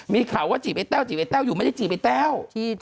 มีข่าวว่าจีบไอ้แต้วจีบไอ้แต้วอยู่ไม่ได้จีบไอ้แต้ว